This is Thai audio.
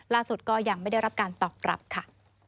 ก็ยังไม่ได้รับการตอบรับค่ะ